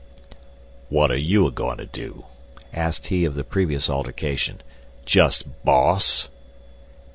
"Wot are you a goin' to do?" asked he of the previous altercation. "Just boss?"